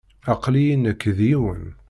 Aql-iyi nekk d yiwen.